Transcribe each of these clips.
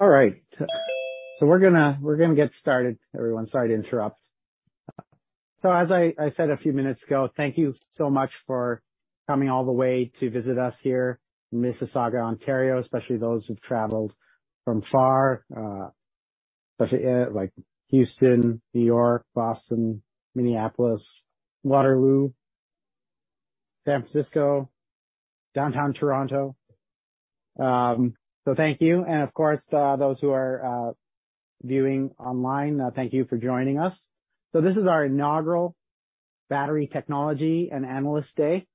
All right. We're gonna get started, everyone. Sorry to interrupt. As I said a few minutes ago, thank you so much for coming all the way to visit us here in Mississauga, Ontario, especially those who've traveled from far, especially like Houston, New York, Boston, Minneapolis, Waterloo, San Francisco, downtown Toronto. Thank you. Of course, those who are viewing online, thank you for joining us. This is our inaugural Battery Technology and Analyst Day.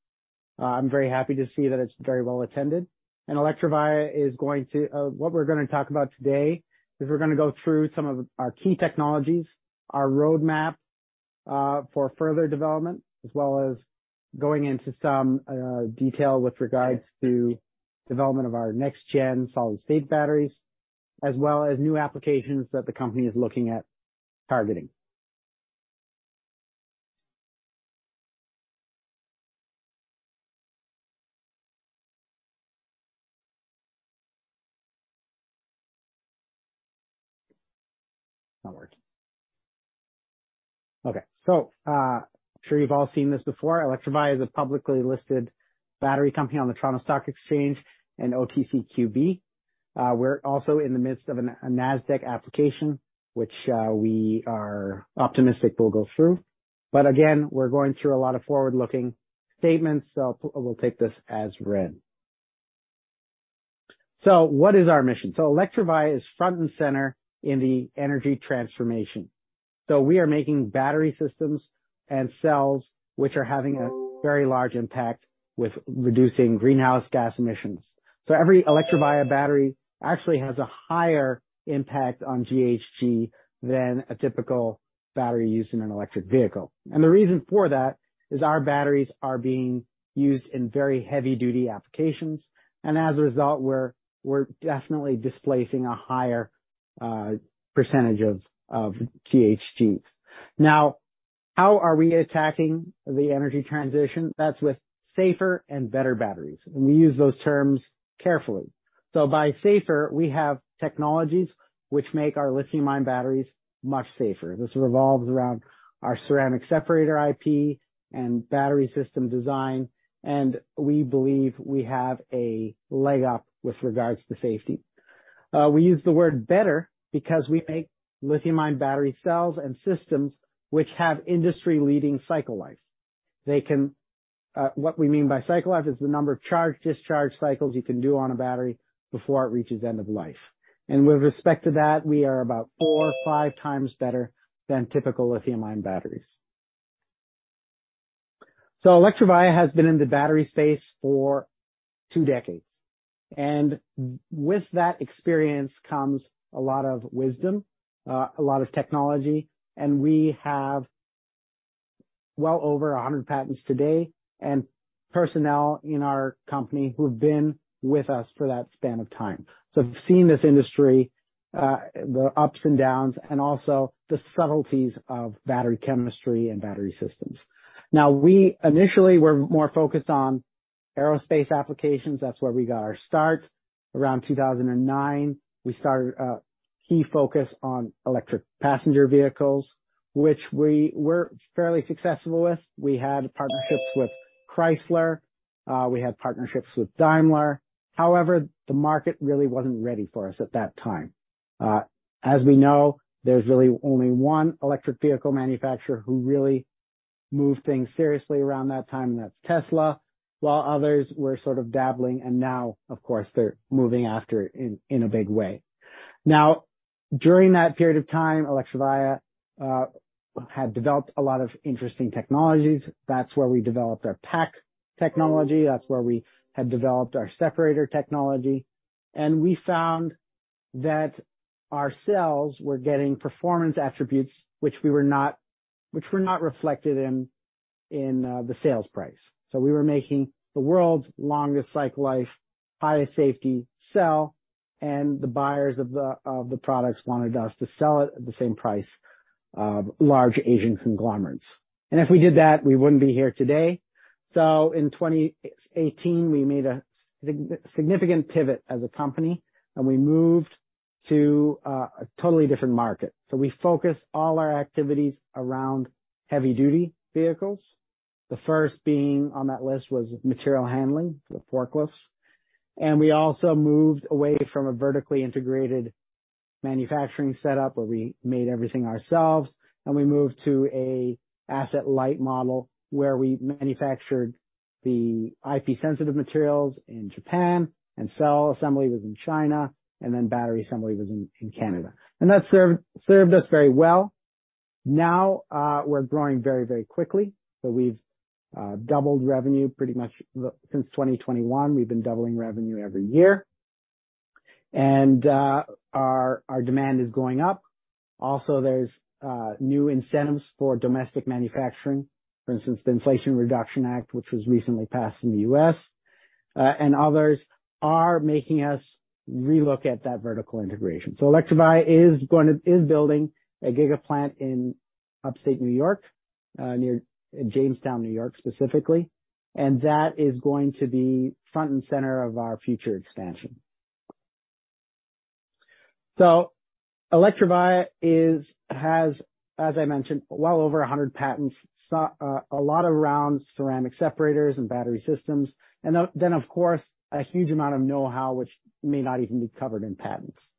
I'm very happy to see that it's very well attended. Electrovaya is going to... What we're gonna talk about today is we're gonna go through some of our key technologies, our roadmap, for further development, as well as going into some detail with regards to development of our next-gen solid-state batteries, as well as new applications that the company is looking at targeting. It's not working. I'm sure you've all seen this before. Electrovaya is a publicly listed battery company on the Toronto Stock Exchange and OTCQB. We're also in the midst of a Nasdaq application, which we are optimistic will go through. We're going through a lot of forward-looking statements, we'll take this as read. What is our mission? Electrovaya is front and center in the energy transformation. We are making battery systems and cells which are having a very large impact with reducing greenhouse gas emissions. Every Electrovaya battery actually has a higher impact on GHG than a typical battery used in an electric vehicle. The reason for that is our batteries are being used in very heavy-duty applications, and as a result, we're definitely displacing a higher percentage of GHGs. How are we attacking the energy transition? That's with safer and better batteries. We use those terms carefully. By safer, we have technologies which make our lithium-ion batteries much safer. This revolves around our ceramic separator IP and battery system design, and we believe we have a leg up with regards to safety. We use the word better because we make lithium-ion battery cells and systems which have industry-leading cycle life. They can, what we mean by cycle life is the number of charge discharge cycles you can do on a battery before it reaches end of life. With respect to that, we are about four or five times better than typical lithium-ion batteries. Electrovaya has been in the battery space for two decades, and with that experience comes a lot of wisdom, a lot of technology, and we have well over 100 patents today and personnel in our company who've been with us for that span of time. We've seen this industry, the ups and downs and also the subtleties of battery chemistry and battery systems. We initially were more focused on aerospace applications. That's where we got our start. Around 2009, we started a key focus on electric passenger vehicles, which we were fairly successful with. We had partnerships with Chrysler, we had partnerships with Daimler. The market really wasn't ready for us at that time. As we know, there's really only one electric vehicle manufacturer who really moved things seriously around that time, and that's Tesla. While others were sort of dabbling and now, of course, they're moving after in a big way. During that period of time, Electrovaya had developed a lot of interesting technologies. That's where we developed our pack technology. That's where we had developed our separator technology. We found that our cells were getting performance attributes which were not reflected in the sales price. We were making the world's longest cycle life, highest safety cell, and the buyers of the products wanted us to sell it at the same price of large Asian conglomerates. If we did that, we wouldn't be here today. In 2018, we made a significant pivot as a company, and we moved to a totally different market. We focused all our activities around heavy-duty vehicles. The first being on that list was material handling, the forklifts. We also moved away from a vertically integrated manufacturing setup where we made everything ourselves, and we moved to a asset light model where we manufactured the IP sensitive materials in Japan, and cell assembly was in China, and then battery assembly was in Canada. That served us very well. Now, we're growing very, very quickly. We've doubled revenue pretty much since 2021. We've been doubling revenue every year. Our demand is going up. Also, there's new incentives for domestic manufacturing. For instance, the Inflation Reduction Act, which was recently passed in the U.S., and others are making us re-look at that vertical integration. Electrovaya is building a giga plant in Upstate New York, near Jamestown, New York, specifically. That is going to be front and center of our future expansion. Electrovaya has, as I mentioned, well over 100 patents, so, a lot around ceramic separators and battery systems, and then of course, a huge amount of know-how which may not even be covered in patents.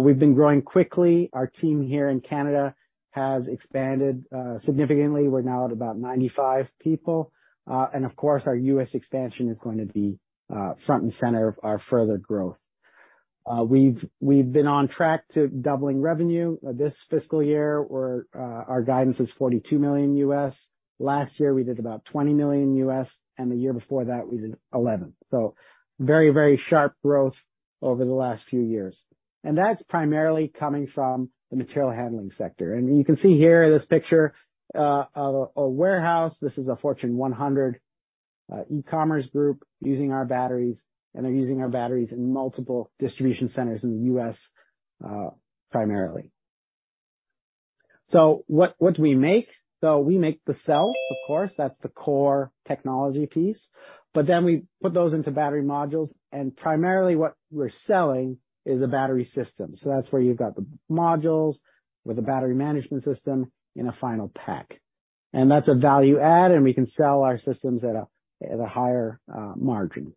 We've been growing quickly. Our team here in Canada has expanded significantly. We're now at about 95 people. Of course, our U.S. expansion is going to be front and center of our further growth. We've been on track to doubling revenue this fiscal year. We're our guidance is $42 million. Last year we did about $20 million, and the year before that we did 11. Very sharp growth over the last few years. That's primarily coming from the material handling sector. You can see here this picture of a warehouse. This is a Fortune 100 e-commerce group using our batteries, and they're using our batteries in multiple distribution centers in the U.S. primarily. What do we make? We make the cells, of course, that's the core technology piece. We put those into battery modules, and primarily what we're selling is a battery system. That's where you've got the modules with a battery management system in a final pack. That's a value add, and we can sell our systems at a higher margin.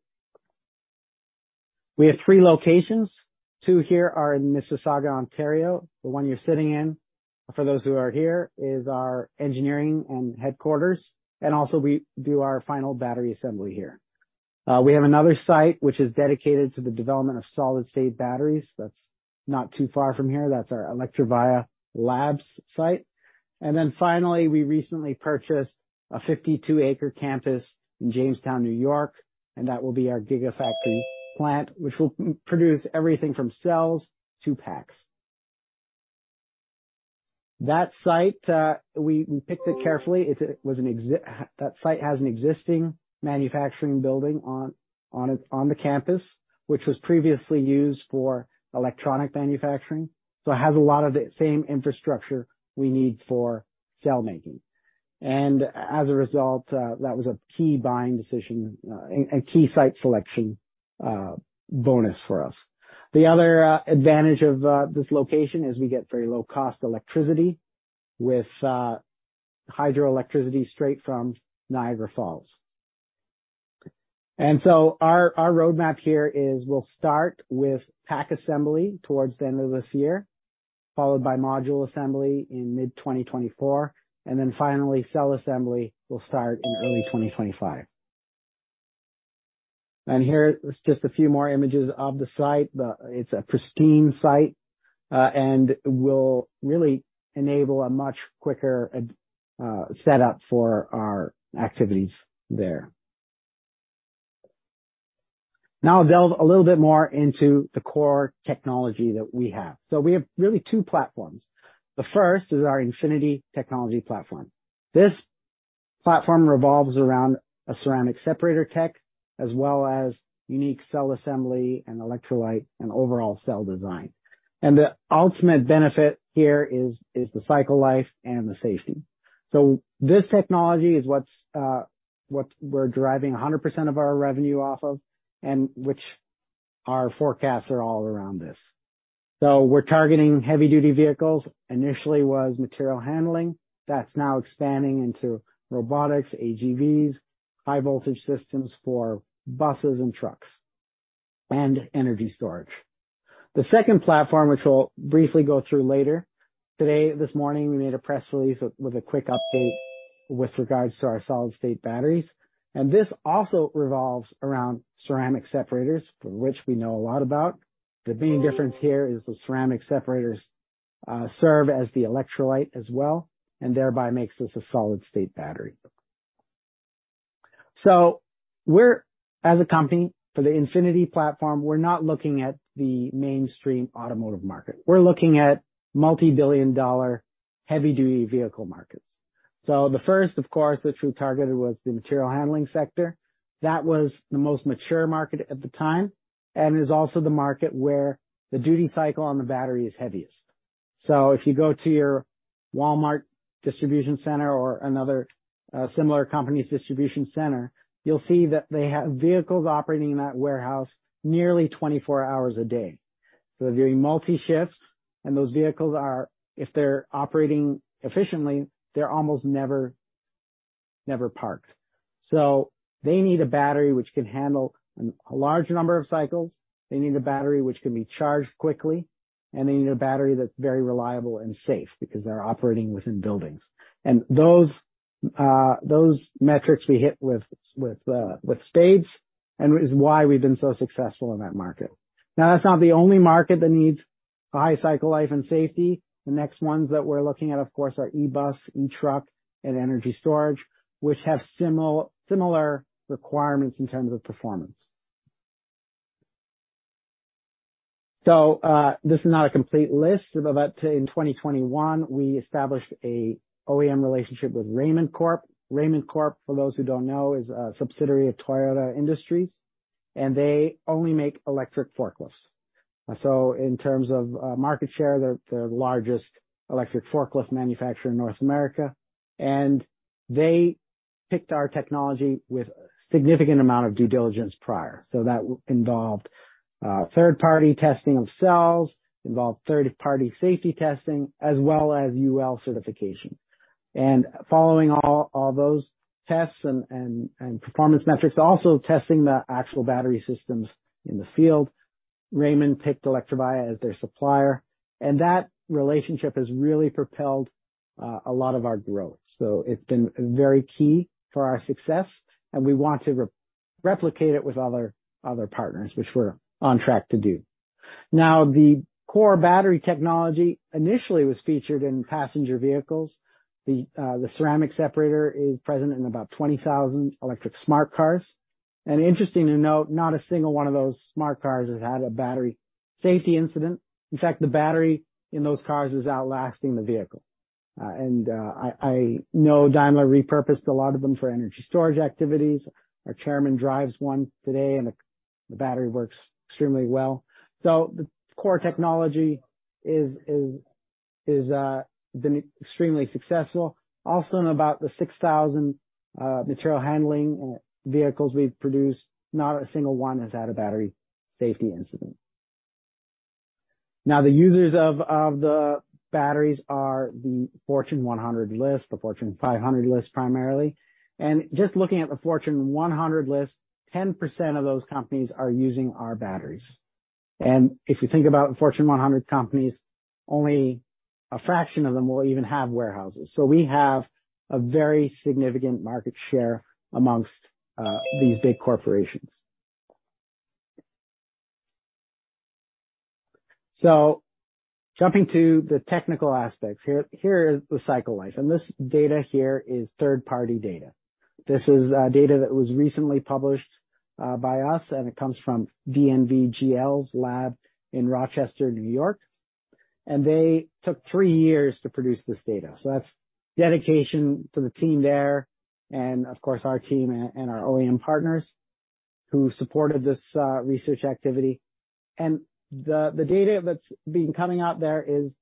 We have three locations. Two here are in Mississauga, Ontario. The one you're sitting in, for those who are here, is our engineering and headquarters. We do our final battery assembly here. We have another site which is dedicated to the development of solid-state batteries. That's not too far from here. That's our Electrovaya Labs site. Finally, we recently purchased a 52-acre campus in Jamestown, New York, and that will be our gigafactory plant, which will produce everything from cells to packs. That site, we picked it carefully. That site has an existing manufacturing building on it, on the campus, which was previously used for electronic manufacturing. It has a lot of the same infrastructure we need for cell making. As a result, that was a key buying decision, and key site selection, bonus for us. The other advantage of this location is we get very low-cost electricity with hydroelectricity straight from Niagara Falls. Our roadmap here is we'll start with pack assembly towards the end of this year, followed by module assembly in mid-2024. Finally, cell assembly will start in early 2025. Here is just a few more images of the site. It's a pristine site, and will really enable a much quicker, setup for our activities there. Now I'll delve a little bit more into the core technology that we have. We have really two platforms. The first is our Infinity technology platform. This platform revolves around a ceramic separator tech, as well as unique cell assembly and electrolyte and overall cell design. The ultimate benefit here is the cycle life and the safety. This technology is what's what we're driving 100% of our revenue off of, and which our forecasts are all around this. We're targeting heavy-duty vehicles. Initially was material handling. That's now expanding into robotics, AGVs, high-voltage systems for buses and trucks, and energy storage. The second platform, which we'll briefly go through later today, this morning, we made a press release with a quick update with regards to our solid-state batteries. This also revolves around ceramic separators, for which we know a lot about. The main difference here is the ceramic separators serve as the electrolyte as well, and thereby makes this a solid-state battery. As a company, for the Infinity platform, we're not looking at the mainstream automotive market. We're looking at multi-billion dollar heavy-duty vehicle markets. The first, of course, which we targeted was the material handling sector. That was the most mature market at the time, and is also the market where the duty cycle on the battery is heaviest. If you go to your Walmart distribution center or another similar company's distribution center, you'll see that they have vehicles operating in that warehouse nearly 24 hours a day. They're doing multi shifts and those vehicles are, if they're operating efficiently, they're almost never parked. They need a battery which can handle a large number of cycles, they need a battery which can be charged quickly, and they need a battery that's very reliable and safe because they're operating within buildings. Those metrics we hit with spades, and is why we've been so successful in that market. Now, that's not the only market that needs a high cycle life and safety. The next ones that we're looking at, of course, are e-bus, e-truck, and energy storage, which have similar requirements in terms of performance. This is not a complete list, but in 2021 we established a OEM relationship with Raymond Corp. Raymond Corp, for those who don't know, is a subsidiary of Toyota Industries, and they only make electric forklifts. In terms of market share, they're the largest electric forklift manufacturer in North America, and they picked our technology with a significant amount of due diligence prior. That involved third-party testing of cells, involved third-party safety testing, as well as UL certification. Following all those tests and performance metrics, also testing the actual battery systems in the field, Raymond picked Electrovaya as their supplier, and that relationship has really propelled a lot of our growth. It's been very key for our success, and we want to replicate it with other partners, which we're on track to do. Now, the core battery technology initially was featured in passenger vehicles. The ceramic separator is present in about 20,000 smart cars. interesting to note, not a single one of smart cars has had a battery safety incident. In fact, the battery in those cars is outlasting the vehicle. I know Daimler repurposed a lot of them for energy storage activities. Our chairman drives one today, and the battery works extremely well. The core technology is been extremely successful. Also, in about the 6,000 material handling vehicles we've produced, not a single one has had a battery safety incident. The users of the batteries are the Fortune 100 list, the Fortune 500 list primarily. Just looking at the Fortune 100 list, 10% of those companies are using our batteries. If you think about Fortune 100 companies, only a fraction of them will even have warehouses. We have a very significant market share amongst these big corporations. Jumping to the technical aspects. Here is the cycle life. This data here is third-party data. This is data that was recently published by us, and it comes from DNV GL's lab in Rochester, New York. They took three years to produce this data. That's dedication to the team there and of course, our team and our OEM partners who supported this research activity. The data that's been coming out there is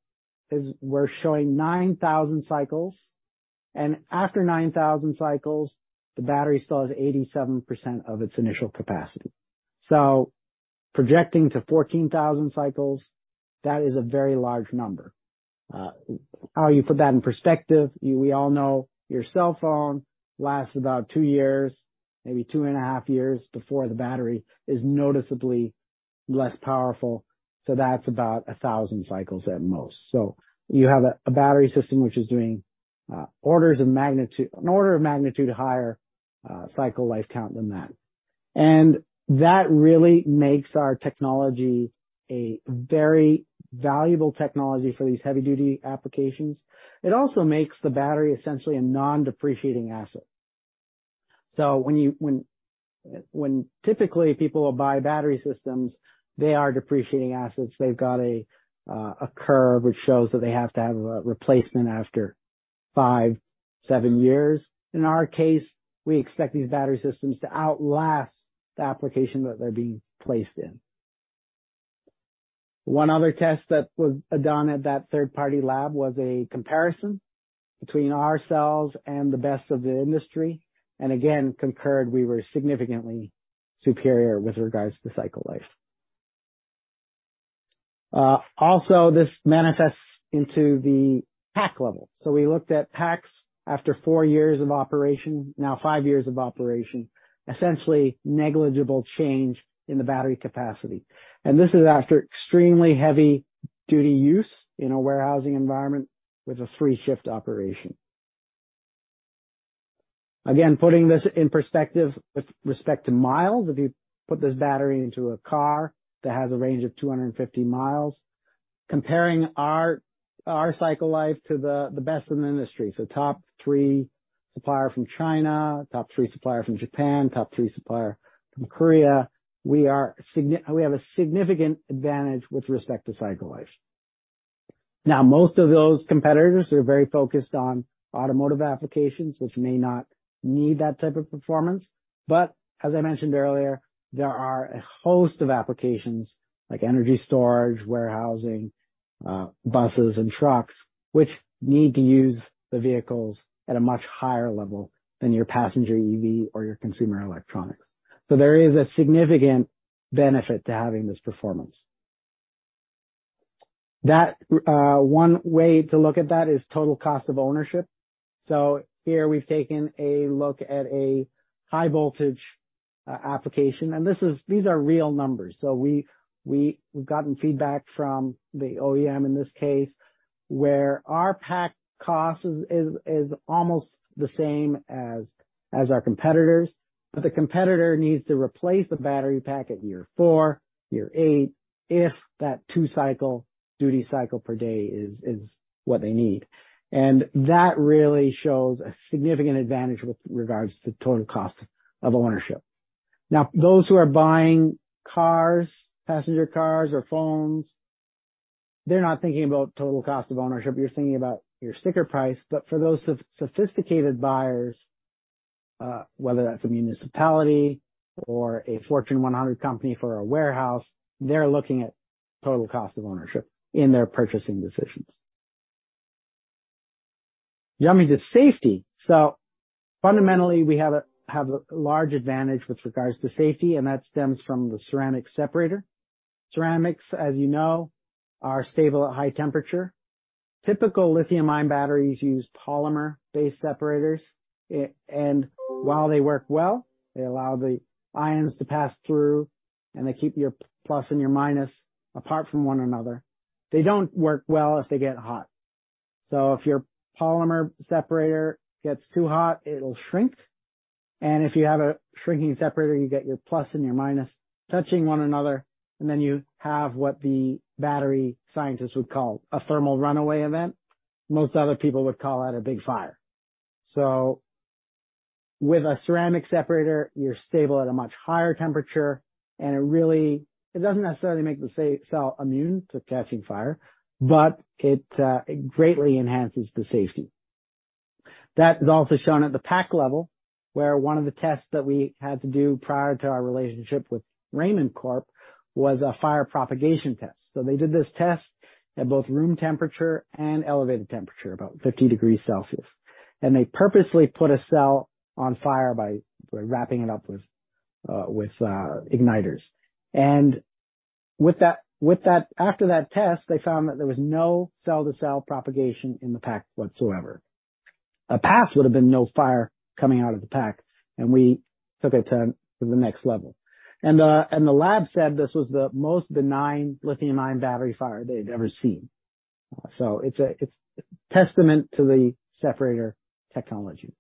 we're showing 9,000 cycles. After 9,000 cycles, the battery still has 87% of its initial capacity. Projecting to 14,000 cycles, that is a very large number. How you put that in perspective, we all know your cell phone lasts about two years, maybe two and a half years, before the battery is noticeably less powerful. That's about 1,000 cycles at most. You have a battery system which is doing an order of magnitude higher cycle life count than that. That really makes our technology a very valuable technology for these heavy-duty applications. It also makes the battery essentially a non-depreciating asset. When typically people will buy battery systems, they are depreciating assets. They've got a curve which shows that they have to have a replacement after five, seven years. In our case, we expect these battery systems to outlast the application that they're being placed in. One other test that was done at that third-party lab was a comparison between our cells and the best of the industry, and again, concurred we were significantly superior with regards to cycle life. Also this manifests into the pack level. We looked at packs after four years of operation, now five years of operation, essentially negligible change in the battery capacity. This is after extremely heavy duty use in a warehousing environment with a three-shift operation. Putting this in perspective with respect to miles, if you put this battery into a car that has a range of 250 mi, comparing our cycle life to the best in the industry. Top three supplier from China, top three supplier from Japan, top three supplier from Korea, We have a significant advantage with respect to cycle life. Most of those competitors are very focused on automotive applications, which may not need that type of performance. As I mentioned earlier, there are a host of applications like energy storage, warehousing, buses and trucks, which need to use the vehicles at a much higher level than your passenger EV or your consumer electronics. There is a significant benefit to having this performance. That, one way to look at that is total cost of ownership. Here we've taken a look at a high voltage application, and these are real numbers. We've gotten feedback from the OEM in this case where our pack cost is almost the same as our competitors, but the competitor needs to replace the battery pack at year four, year eight, if that two-cycle duty cycle per day is what they need. That really shows a significant advantage with regards to total cost of ownership. Those who are buying cars, passenger cars or phones, they're not thinking about total cost of ownership. You're thinking about your sticker price. For those so-sophisticated buyers, whether that's a municipality or a Fortune 100 company for a warehouse, they're looking at total cost of ownership in their purchasing decisions. Jumping to safety. Fundamentally, we have a large advantage with regards to safety, and that stems from the ceramic separator. Ceramics, as you know, are stable at high temperature. Typical lithium-ion batteries use polymer-based separators. And while they work well, they allow the ions to pass through, and they keep your plus and your minus apart from one another. They don't work well if they get hot. If your polymer separator gets too hot, it'll shrink. If you have a shrinking separator, you get your plus and your minus touching one another, and then you have what the battery scientists would call a thermal runaway event. Most other people would call that a big fire. With a ceramic separator, you're stable at a much higher temperature. It doesn't necessarily make the cell immune to catching fire, but it greatly enhances the safety. That is also shown at the pack level, where one of the tests that we had to do prior to our relationship with Raymond Corp was a fire propagation test. They did this test at both room temperature and elevated temperature, about 50 degrees Celsius. They purposely put a cell on fire by wrapping it up with igniters. After that test, they found that there was no cell-to-cell propagation in the pack whatsoever. A pass would have been no fire coming out of the pack, and we took it to the next level. The lab said this was the most benign lithium-ion battery fire they'd ever seen. It's a testament to the separator technology.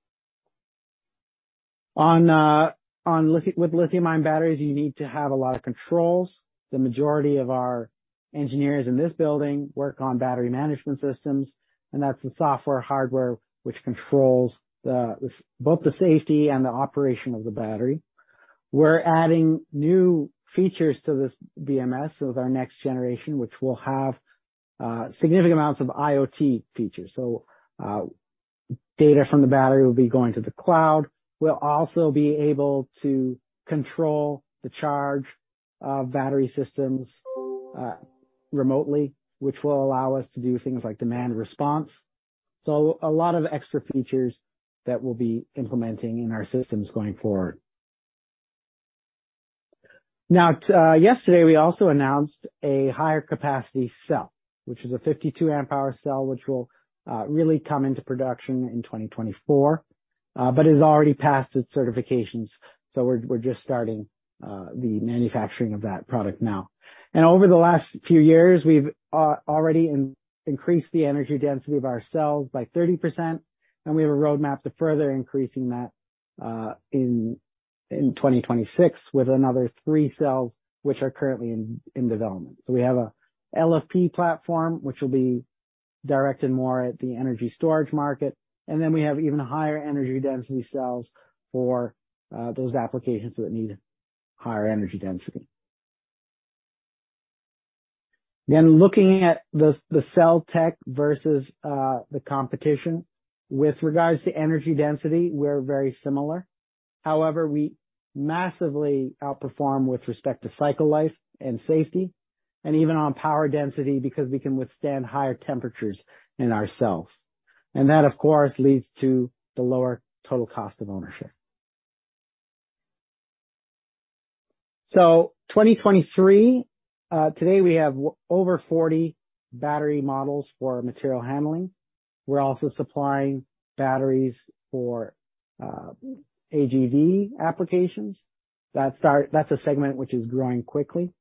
With lithium-ion batteries, you need to have a lot of controls. The majority of our engineers in this building work on battery management systems, and that's the software, hardware which controls both the safety and the operation of the battery. We're adding new features to this BMS with our next generation, which will have significant amounts of IoT features. Data from the battery will be going to the cloud. We'll also be able to control the charge of battery systems remotely, which will allow us to do things like demand response. A lot of extra features that we'll be implementing in our systems going forward. Yesterday, we also announced a higher capacity cell, which is a 52 amp hour cell, which will really come into production in 2024, but has already passed its certifications. We're just starting the manufacturing of that product now. Over the last few years, we've already increased the energy density of our cells by 30%, and we have a roadmap to further increasing that in 2026 with another three cells which are currently in development. We have a LFP platform which will be directed more at the energy storage market. We have even higher energy density cells for those applications that need higher energy density. Looking at the cell tech versus the competition. With regards to energy density, we're very similar. However, we massively outperform with respect to cycle life and safety and even on power density, because we can withstand higher temperatures in our cells. That, of course, leads to the lower total cost of ownership. 2023, today we have over 40 battery models for material handling. We're also supplying batteries for AGV applications. That's a segment which is growing quickly.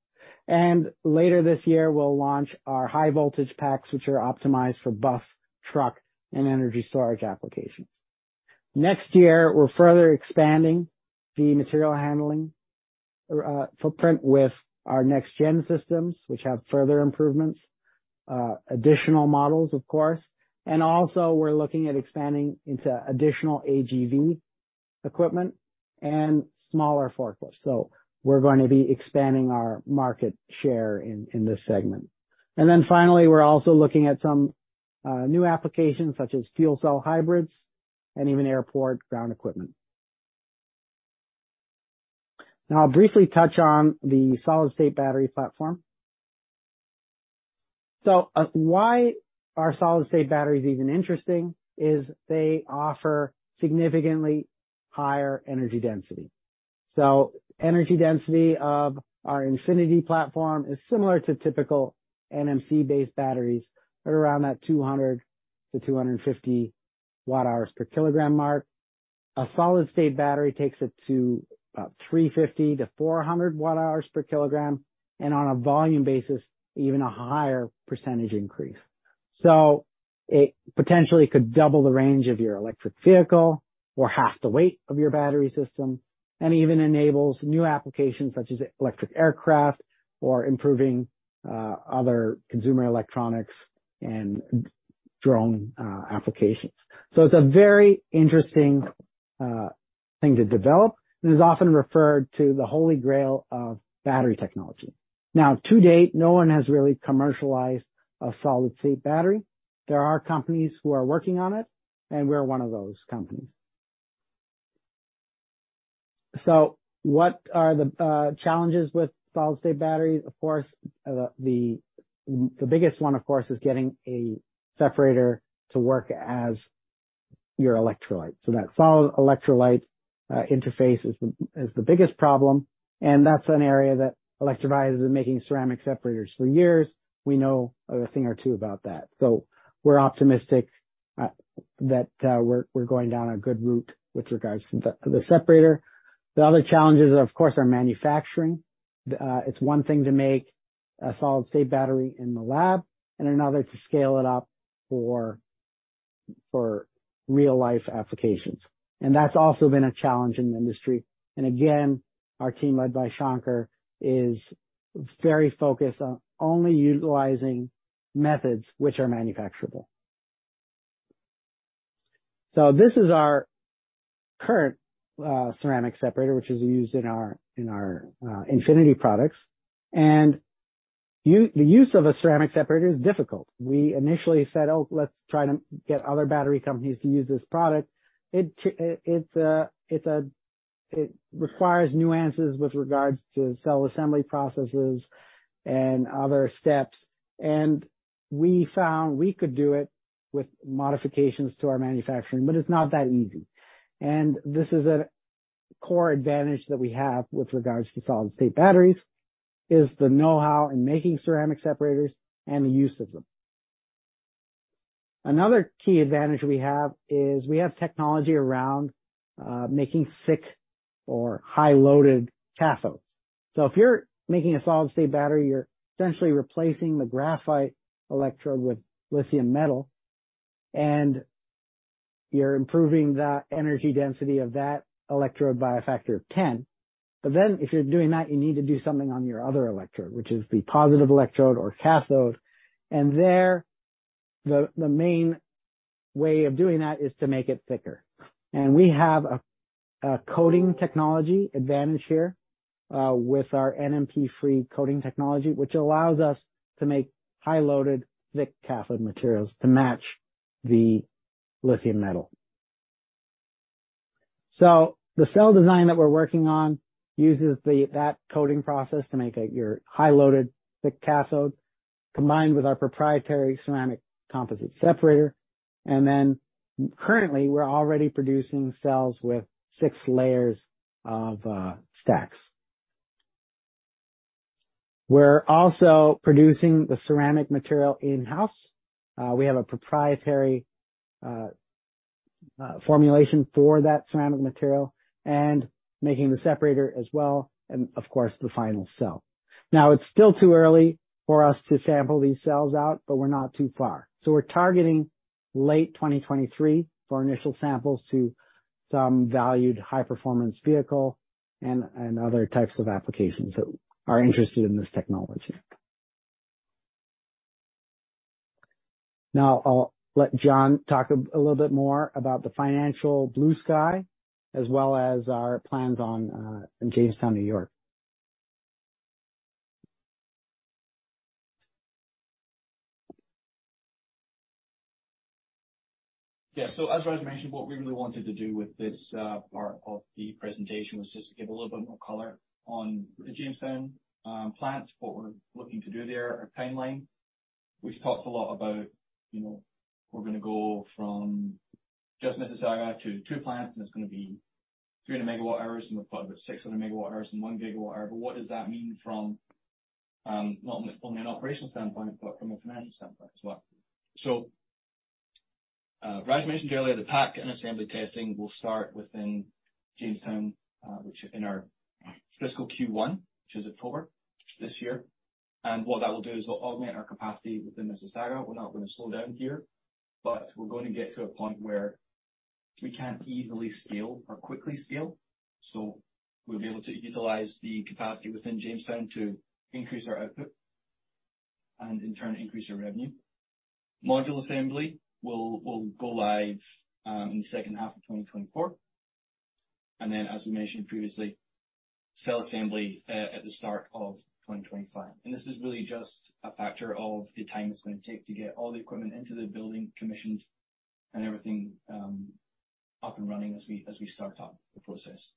Later this year, we'll launch our high voltage packs, which are optimized for bus, truck, and energy storage applications. Next year, we're further expanding the material handling footprint with our next gen systems, which have further improvements, additional models, of course. Also we're looking at expanding into additional AGV equipment and smaller forklifts. We're going to be expanding our market share in this segment. Finally, we're also looking at some new applications such as fuel cell hybrids and even airport ground equipment. I'll briefly touch on the solid-state battery platform. Why are solid-state batteries even interesting is they offer significantly higher energy density. Energy density of our Infinity platform is similar to typical NMC-based batteries at around that 200-250 Wh per kg mark. A solid-state battery takes it to about 350-400 Wh per kg and on a volume basis, even a higher percentage increase. It potentially could double the range of your electric vehicle or half the weight of your battery system, and even enables new applications such as electric aircraft or improving other consumer electronics and drone applications. It's a very interesting thing to develop, and is often referred to the holy grail of battery technology. Now, to date, no one has really commercialized a solid-state battery. There are companies who are working on it, and we're one of those companies. What are the challenges with solid-state batteries? Of course, the biggest one, of course, is getting a separator to work as your electrolyte. That solid electrolyte interface is the biggest problem, and that's an area that Electrovaya has been making ceramic separators for years. We know a thing or two about that. We're optimistic that we're going down a good route with regards to the separator. The other challenges, of course, are manufacturing. It's one thing to make a solid-state battery in the lab and another to scale it up for real-life applications. That's also been a challenge in the industry. Again, our team, led by Sankar, is very focused on only utilizing methods which are manufacturable. This is our current ceramic separator, which is used in our Infinity products. Use of a ceramic separator is difficult. We initially said, "Oh, let's try to get other battery companies to use this product." It requires nuances with regards to cell assembly processes and other steps. We found we could do it with modifications to our manufacturing, but it's not that easy. This is a core advantage that we have with regards to solid-state batteries, is the know-how in making ceramic separators and the use of them. Another key advantage we have is we have technology around making thick or high loaded cathodes. If you're making a solid-state battery, you're essentially replacing the graphite electrode with lithium metal, and you're improving the energy density of that electrode by a factor of 10. If you're doing that, you need to do something on your other electrode, which is the positive electrode or cathode. There, the main way of doing that is to make it thicker. We have a coating technology advantage here with our NMP-free coating technology, which allows us to make high loaded thick cathode materials to match the lithium metal. The cell design that we're working on uses the, that coating process to make your high loaded thick cathode, combined with our proprietary ceramic composite separator. Currently, we're already producing cells with six layers of stacks. We're also producing the ceramic material in-house. We have a proprietary formulation for that ceramic material and making the separator as well and of course, the final cell. It's still too early for us to sample these cells out, but we're not too far. We're targeting late 2023 for initial samples to some valued high-performance vehicle and other types of applications that are interested in this technology. I'll let John talk a little bit more about the financial blue sky as well as our plans on in Jamestown, New York. As Raj mentioned, what we really wanted to do with this part of the presentation was just to give a little bit more color on the Jamestown plants, what we're looking to do there, our timeline. We've talked a lot about, you know, we're gonna go from just Mississauga to two plants, and it's gonna be 300 MWh, and we've got about 600 MWh and 1 GWh. What does that mean from not only an operational standpoint, but from a financial standpoint as well? Raj mentioned earlier, the pack and assembly testing will start within Jamestown, which in our fiscal Q1, which is October this year. What that will do is it'll augment our capacity within Mississauga. We're not gonna slow down here, but we're going to get to a point where we can't easily scale or quickly scale, so we'll be able to utilize the capacity within Jamestown to increase our output and in turn, increase our revenue. Module assembly will go live in the second half of 2024. Then, as we mentioned previously, cell assembly at the start of 2025. This is really just a factor of the time it's gonna take to get all the equipment into the building commissioned and everything up and running as we, as we start up the process.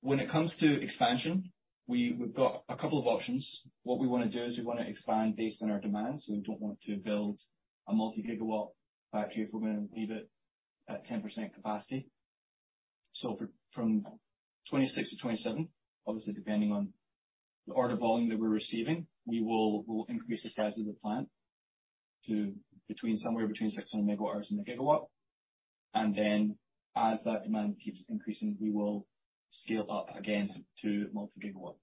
When it comes to expansion, we've got a couple of options. What we wanna do is we wanna expand based on our demand, so we don't want to build a multi-gigawatt battery if we're gonna leave it at 10% capacity. From 26 to 27, obviously, depending on the order volume that we're receiving, we'll increase the size of the plant to between, somewhere between 600 MWh and a gigawatt. As that demand keeps increasing, we will scale up again to multi-gigawatt.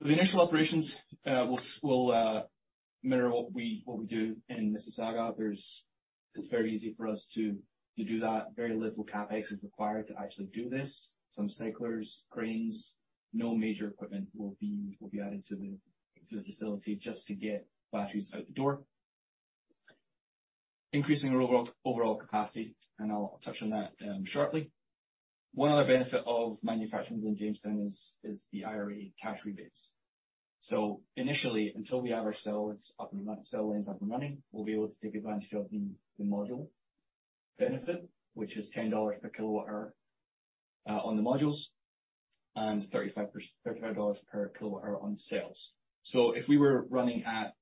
The initial operations will mirror what we do in Mississauga. It's very easy for us to do that. Very little CapEx is required to actually do this. Some cyclers, cranes, no major equipment will be added to the facility just to get batteries out the door. Increasing our overall capacity, and I'll touch on that shortly. One other benefit of manufacturing within Jamestown is the IRA cash rebates. Initially, until we have our cell lines up and running, we'll be able to take advantage of the module benefit, which is $10 per kWh on the modules and $35 per kWh on cells. If we were running at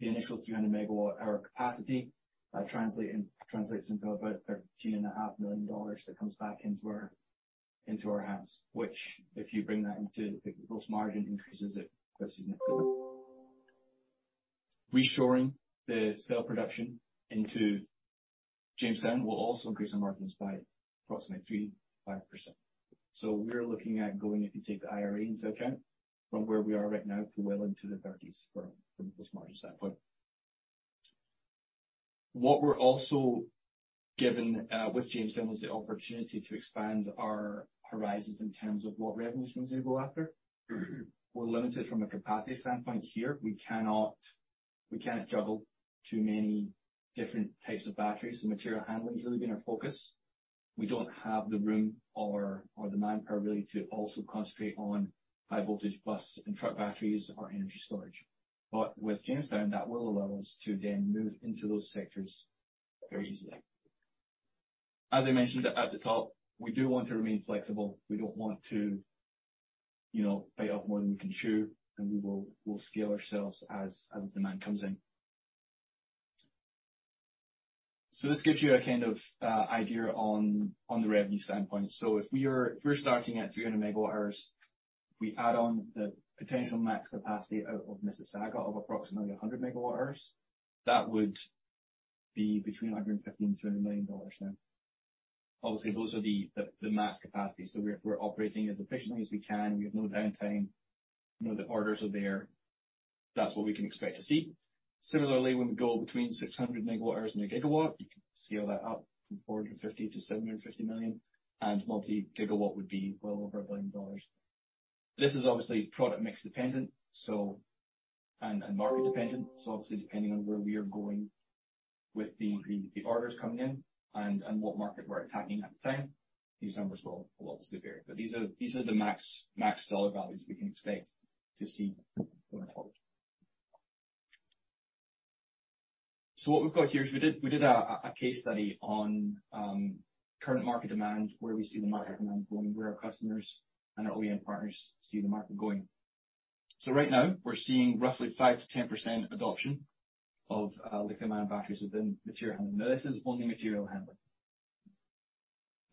the initial 300 MWh capacity, that translates into about $30.5 million that comes back into our hands, which, if you bring that into the gross margin, increases it quite significantly. Reshoring the cell production into Jamestown will also increase our margins by approximately 3%-5%. We're looking at going, if you take the IRA into account, from where we are right now to well into the 30s for gross margin standpoint. What we're also given, with Jamestown is the opportunity to expand our horizons in terms of what revenues we can go after. We're limited from a capacity standpoint here. We cannot juggle too many different types of batteries. Material handling has really been our focus. We don't have the room or the manpower really to also concentrate on high voltage bus and truck batteries or energy storage. With Jamestown, that will allow us to then move into those sectors very easily. I mentioned at the top, we do want to remain flexible. We don't want to, you know, bite off more than we can chew, and we'll scale ourselves as demand comes in. This gives you a kind of idea on the revenue standpoint. If we're starting at 300 MWh, we add on the potential max capacity out of Mississauga of approximately 100 MWh. That would be between $150 million and $200 million now. Obviously, those are the max capacity. We're operating as efficiently as we can. We have no downtime. You know, the orders are there. That's what we can expect to see. Similarly, when we go between 600 MWh and 1 GW, you can scale that up from $450 million-$750 million, and multi-gigawatt would be well over $1 billion. This is obviously product mix dependent, and market dependent. Obviously depending on where we are going with the orders coming in and what market we're attacking at the time, these numbers will obviously vary. These are the max dollar values we can expect to see going forward. What we've got here is we did a case study on current market demand, where we see the market demand going, where our customers and our OEM partners see the market going. Right now we're seeing roughly 5%-10% adoption of lithium-ion batteries within material handling. This is only material handling.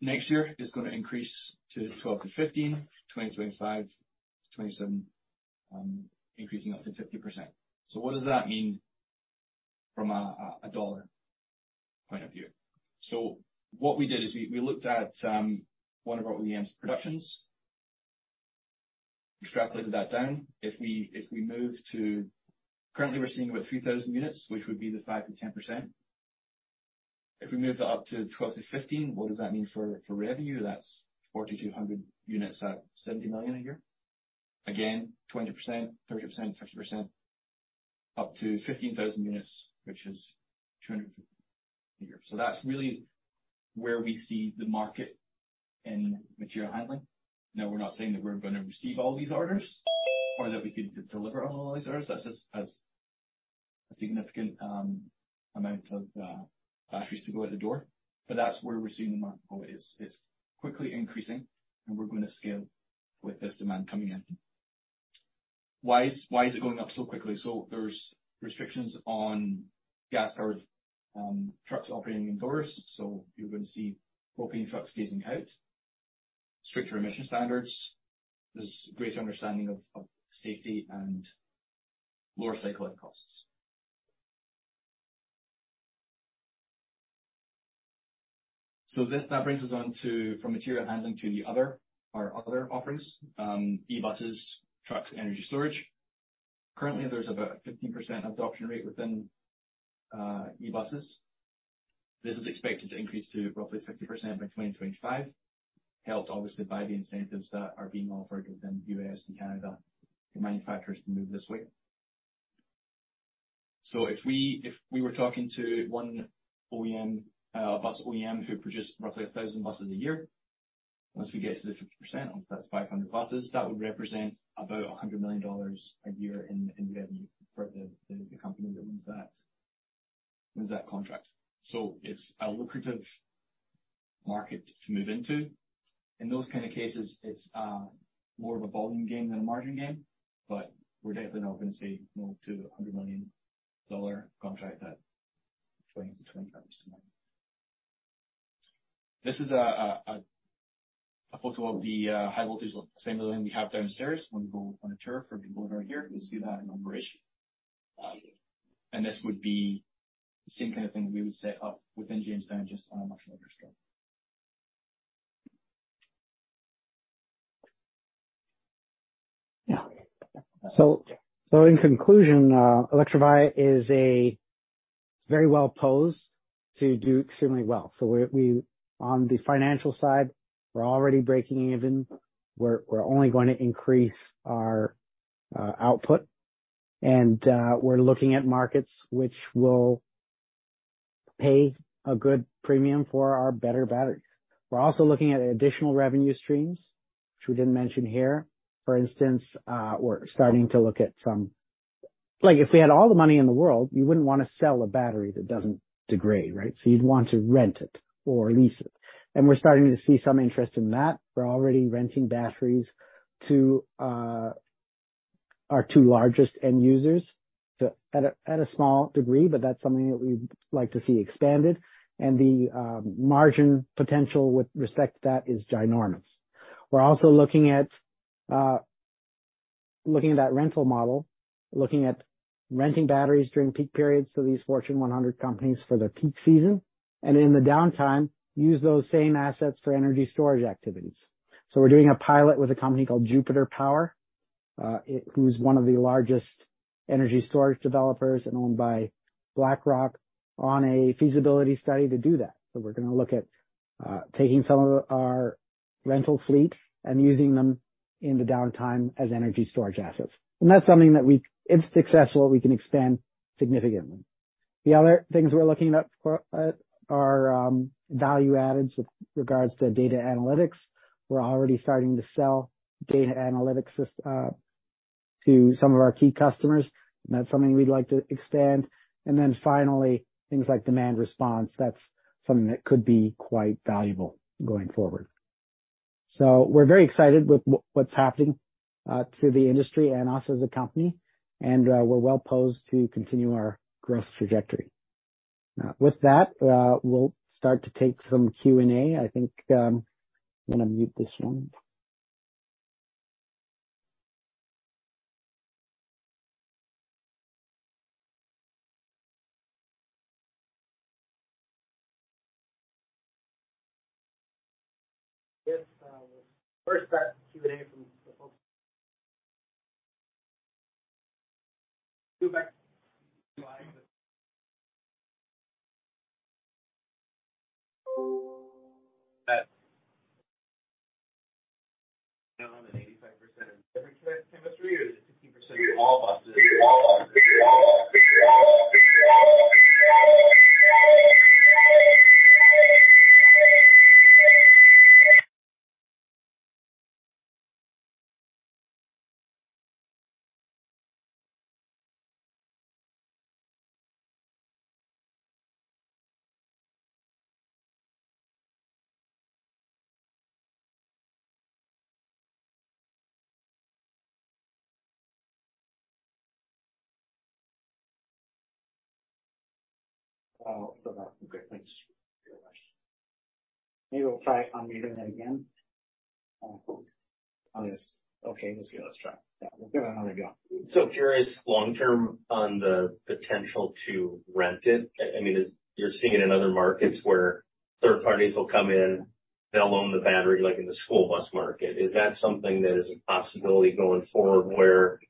Next year is gonna increase to 12%-15%. '2025 to '2027, increasing up to 50%. What does that mean from a dollar point of view? What we did is we looked at one of our OEM's productions, extrapolated that down. If we move to... Currently, we're seeing about 3,000 units, which would be the 5%-10%. If we move that up to 12%-15%, what does that mean for revenue? That's 4,200 units at $70 million a year. Again, 20%, 30%, 50%, up to 15,000 units, which is $200 million a year. That's really where we see the market in material handling. Now, we're not saying that we're gonna receive all these orders or that we could de-deliver on all these orders. That's just a significant amount of batteries to go out the door. That's where we're seeing the market go. It's quickly increasing and we're gonna scale with this demand coming in. Why is it going up so quickly? There's restrictions on gas-powered trucks operating indoors, so you're gonna see propane trucks phasing out. Stricter emission standards. There's greater understanding of safety and lower life cycle costs. That brings us on to from material handling to the other, our other offerings, e-buses, trucks, energy storage. Currently, there's about a 15% adoption rate within e-buses. This is expected to increase to roughly 50% by 2025, helped obviously by the incentives that are being offered within U.S. and Canada for manufacturers to move this way. If we, if we were talking to one OEM, bus OEM who produced roughly 1,000 buses a year, once we get to the 50%, obviously that's 500 buses, that would represent about $100 million a year in revenue for the company that wins that contract. It's a lucrative market to move into. In those kind of cases it's more of a volume game than a margin game, but we're definitely now gonna see more to a $100 million contract that $20 million-$25 million. This is a photo of the high voltage lift. Same as the one we have downstairs when we go on a tour for people that are here, you'll see that in operation. This would be the same kind of thing we would set up within Jamestown, just on a much larger scale. Yeah. So, in conclusion, Electrovaya. It's very well-posed to do extremely well. On the financial side, we're already breaking even. We're only gonna increase our output. We're looking at markets which will pay a good premium for our better battery. We're also looking at additional revenue streams, which we didn't mention here. For instance, we're starting to look at some... Like, if we had all the money in the world, you wouldn't wanna sell a battery that doesn't degrade, right? You'd want to rent it or lease it, and we're starting to see some interest in that. We're already renting batteries to our two largest end users at a small degree, but that's something that we'd like to see expanded. The margin potential with respect to that is ginormous. We're also looking at looking at that rental model, looking at renting batteries during peak periods, so these Fortune 100 companies for their peak season, and in the downtime, use those same assets for energy storage activities. We're doing a pilot with a company called Jupiter Power, who's one of the largest energy storage developers and owned by BlackRock, on a feasibility study to do that. We're gonna look at taking some of our rental fleet and using them in the downtime as energy storage assets. That's something that we if successful, we can expand significantly. The other things we're looking at are value adds with regards to data analytics. We're already starting to sell data analytics to some of our key customers, and that's something we'd like to expand. Finally, things like demand response. That's something that could be quite valuable going forward. We're very excited with what's happening to the industry and us as a company, and we're well-posed to continue our growth trajectory. With that, we'll start to take some Q&A. I think, I'm gonna mute this one. Yes. We'll first start with Q&A from the phone. Go back to slide. 85% of different chemistry, or is it 15% of all buses- Okay, thanks very much. Maybe we'll try unmuting that again. On this. Okay, let's give it a try. Yeah, we'll give it another go. If you're as long-term on the potential to rent it, I mean, as you're seeing in other markets where third parties will come in, they'll own the battery, like in the school bus market. Is that something that is a possibility going forward where,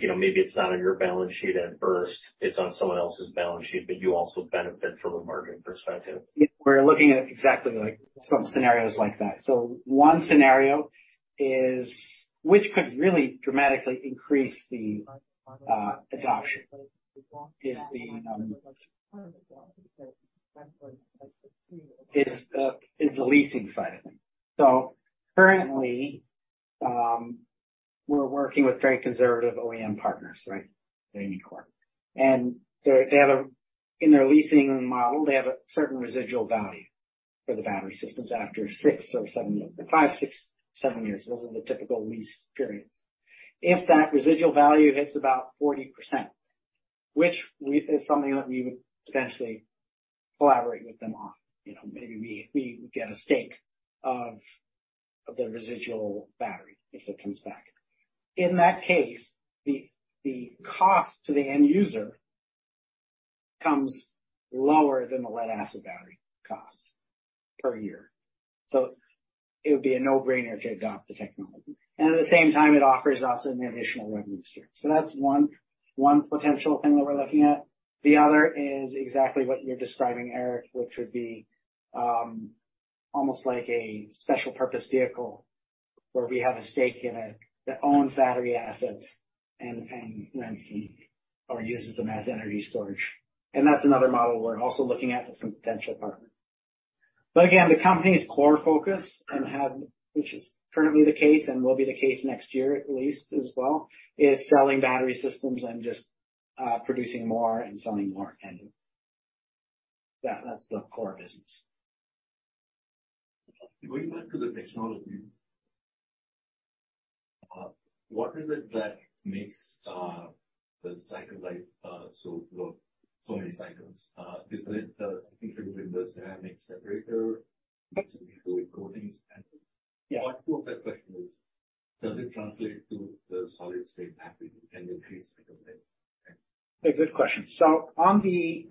you know, maybe it's not on your balance sheet at first, it's on someone else's balance sheet, but you also benefit from a margin perspective? We're looking at exactly, like, some scenarios like that. One scenario is, which could really dramatically increase the adoption is the leasing side of things. Currently, we're working with very conservative OEM partners, right? They need core. In their leasing model, they have a certain residual value for the battery systems after six or seven years. Five, six, seven years. Those are the typical lease periods. If that residual value hits about 40%, which we think is something that we would potentially collaborate with them on. You know, maybe we would get a stake of the residual battery if it comes back. In that case, the cost to the end user comes lower than the lead acid battery cost per year. It would be a no-brainer to adopt the technology. At the same time, it offers us an additional revenue stream. That's one potential thing that we're looking at. The other is exactly what you're describing, Eric, which would be almost like a special purpose vehicle where we have a stake in a, that owns battery assets and rents it or uses them as energy storage. That's another model we're also looking at with some potential partners. Again, the company's core focus, which is currently the case and will be the case next year at least as well, is selling battery systems and just producing more and selling more kind of. That's the core business. Going back to the technology. What is it that makes the cycle life so low, so many cycles? Is it integrated with the ceramic separator coatings? Yeah. Part two of that question is, does it translate to the solid-state batteries and increase cycle life? Thank you. A good question. On the,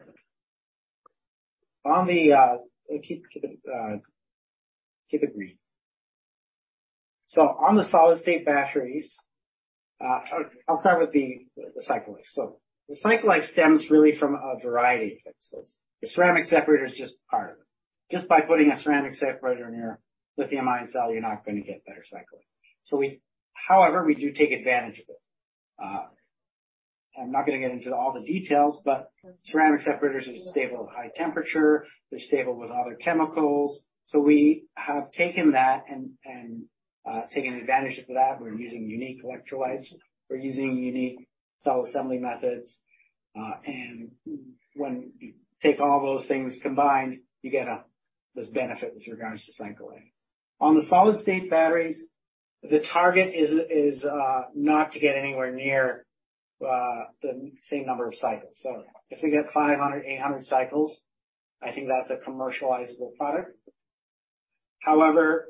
on the, keep to the, keep it green. On the solid-state batteries, I'll start with the cycle life. The cycle life stems really from a variety of fixes. The ceramic separator is just part of it. Just by putting a ceramic separator in your lithium-ion cell, you're not gonna get better cycling. However, we do take advantage of it. I'm not gonna get into all the details, but ceramic separators are stable at high temperature, they're stable with other chemicals. We have taken that and, taken advantage of that. We're using unique electrolytes. We're using unique cell assembly methods. And when you take all those things combined, you get this benefit with regards to cycling. On the solid-state batteries, the target is not to get anywhere near the same number of cycles. If we get 500, 800 cycles, I think that's a commercializable product. However,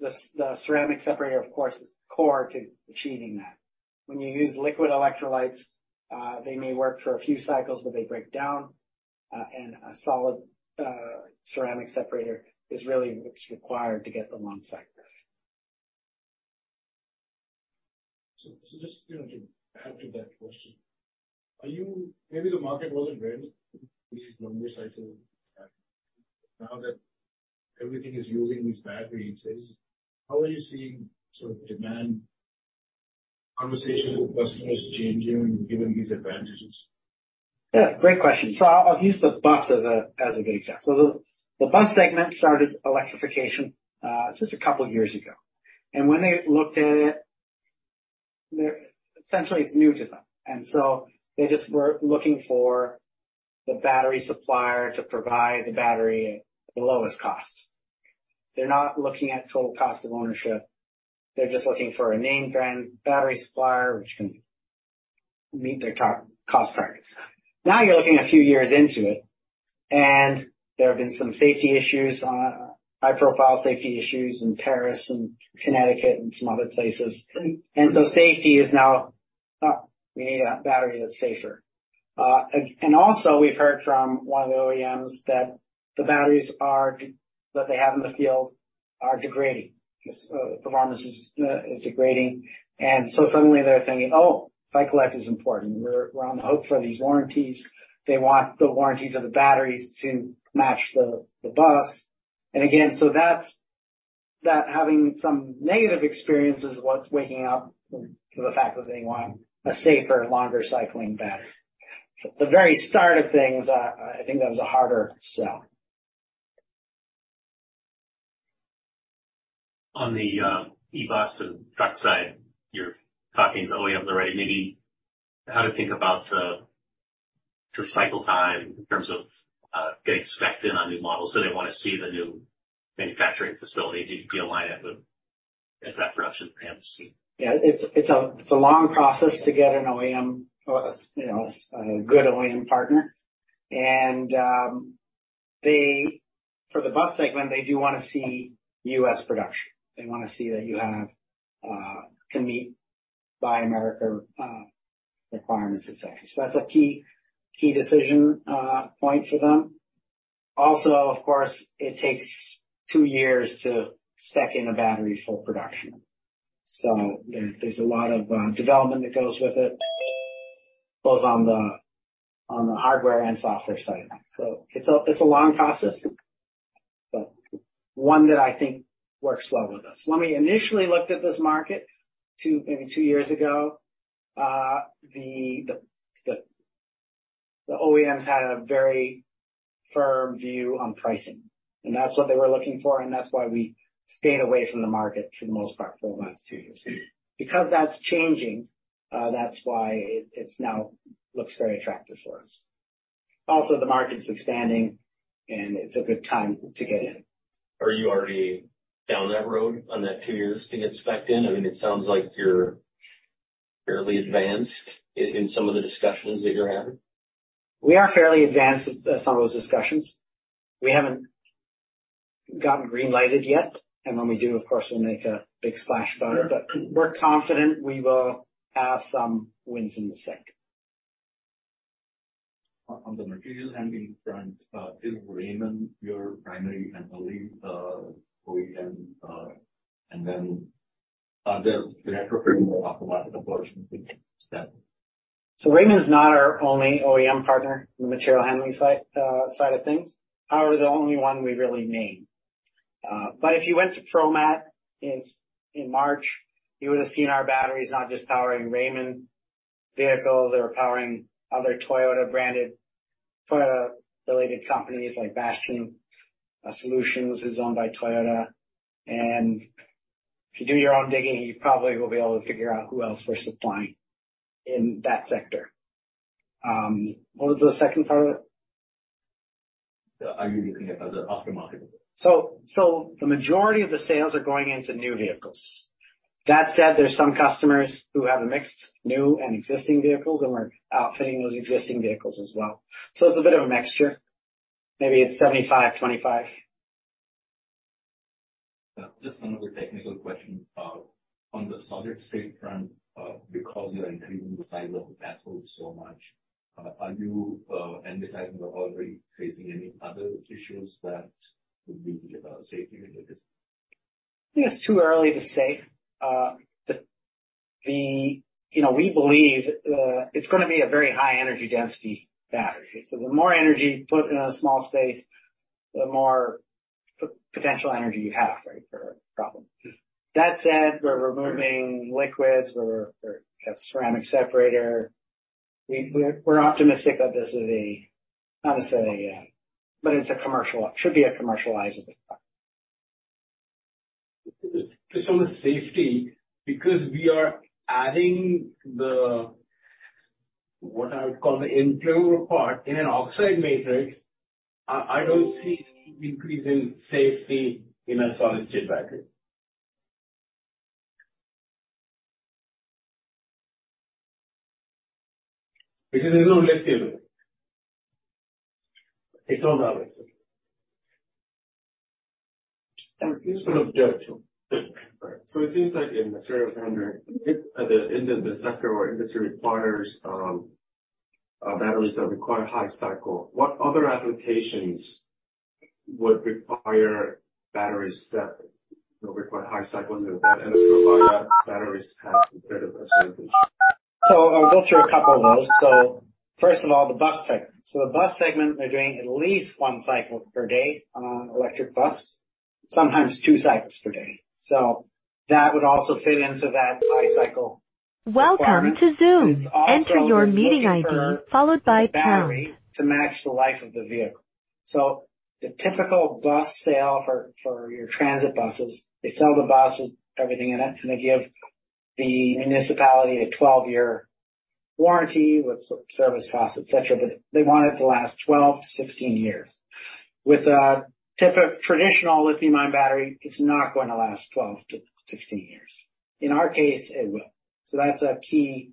the ceramic separator, of course, is core to achieving that. When you use liquid electrolytes, they may work for a few cycles, but they break down, and a solid ceramic separator is really what's required to get the long cycle. Just, you know, to add to that question. Maybe the market wasn't ready for these long cycle batteries. Now that everything is using these batteries, how are you seeing sort of demand, conversation with customers changing given these advantages? Yeah, great question. I'll use the bus as a good example. The bus segment started electrification just two years ago. When they looked at it, essentially, it's new to them, they just were looking for the battery supplier to provide the battery at the lowest cost. They're not looking at total cost of ownership. They're just looking for a name brand battery supplier which can meet their cost targets. You're looking a few years into it, there have been some safety issues, high-profile safety issues in Paris and Connecticut and some other places. Safety is now, "Oh, we need a battery that's safer." And also we've heard from one of the OEMs that the batteries that they have in the field are degrading. Performance is degrading. Suddenly they're thinking, "Oh, cycle life is important. We're on the hook for these warranties." They want the warranties of the batteries to match the bus. Again, that having some negative experiences is what's waking up to the fact that they want a safer, longer cycling battery. The very start of things, I think that was a harder sell. On the e-bus and truck side, you're talking to OEM already. Maybe how to think about just cycle time in terms of getting specced in on new models. Do they wanna see the new manufacturing facility? Do you align it with as that production ramps? It's a long process to get an OEM or, you know, a good OEM partner. For the bus segment, they do wanna see U.S. production. They wanna see that you can meet Buy America requirements, et cetera. That's a key decision point for them. Also, of course, it takes two years to spec in a battery for production. There's a lot of development that goes with it, both on the hardware and software side. It's a long process, but one that I think works well with us. When we initially looked at this market two, maybe two years ago, the OEMs had a very firm view on pricing, and that's what they were looking for, and that's why we stayed away from the market for the most part for the last two years. That's changing, that's why it's now looks very attractive for us. The market's expanding, and it's a good time to get in. Are you already down that road on that two years to get specced in? I mean, it sounds like you're fairly advanced in some of the discussions that you're having. We are fairly advanced at some of those discussions. We haven't gotten green-lighted yet. When we do, of course, we'll make a big splash about it. We're confident we will have some wins in the sec. On the material handling front, is Raymond your primary and only OEM, and then, the aftermarket conversion? Raymond is not our only OEM partner in the material handling side of things. However, the only one we really name. If you went to ProMat in March, you would have seen our batteries not just powering Raymond vehicles. They were powering other Toyota branded, Toyota related companies like Bastian Solutions, who's owned by Toyota. If you do your own digging, you probably will be able to figure out who else we're supplying in that sector. What was the second part of it? Are you looking at other aftermarket? The majority of the sales are going into new vehicles. That said, there's some customers who have a mixed new and existing vehicles, and we're outfitting those existing vehicles as well. It's a bit of a mixture. Maybe it's 75, 25. Just another technical question. on the solid-state front, because you are increasing the size of the battery so much, are you, and the size of the battery facing any other issues that would be, safety related? I think it's too early to say. You know, we believe, it's gonna be a very high energy density battery. The more energy you put in a small space, the more potential energy you have, right? For a problem. That said, we're removing liquids. We're at ceramic separator. We're optimistic that not to say, It should be a commercializable product. Just on the safety, because we are adding the, what I would call the internal part in an oxide matrix, I don't see any increase in safety in a solid-state battery. There's no lithium in it. It's all about lithium. So it seems like- Sort of directional. Right. It seems like in material handling, if the end of the sector or industry requires batteries that require high cycle, what other applications would require batteries that require high cycles, and the provided batteries have comparative observation? I'll go through a couple of those. First of all, the bus segment. The bus segment, they're doing at least one cycle per day on an electric bus, sometimes two cycles per day. That would also fit into that high cycle requirement. It's also you're looking for a battery to match the life of the vehicle. The typical bus sale for your transit buses, they sell the bus with everything in it, and they give the municipality a 12-year warranty with service costs, et cetera. They want it to last 12-16 years. With a traditional lithium-ion battery, it's not gonna last 12-16 years. In our case, it will. That's a key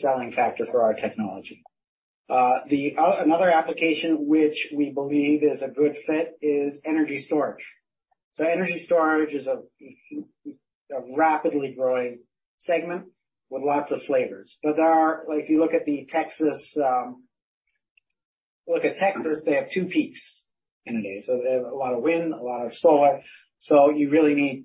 selling factor for our technology. The another application which we believe is a good fit is energy storage. Energy storage is a rapidly growing segment with lots of flavors. Like, if you look at Texas, they have two peaks in a day. They have a lot of wind, a lot of solar. You really need,